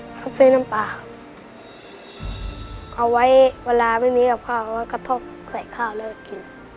ขอบใจน้ำปลาเอาไว้เวลาไม่มีกับข้าวกระทบใส่ข้าวแล้วกิน